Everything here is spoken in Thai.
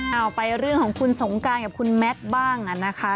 เอาไปเรื่องของคุณสงการกับคุณแมทบ้างนะคะ